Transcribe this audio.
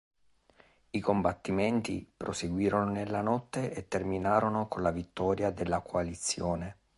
I combattimenti proseguirono nella notte e terminarono con la vittoria della coalizione.